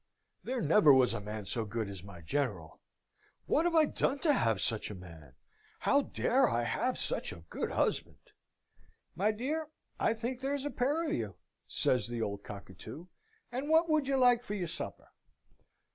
There never was a man so good as my General. What have I done to have such a man? How dare I have such a good husband?" "My dear, I think there's a pair of you," says the old cockatoo; "and what would you like for your supper?"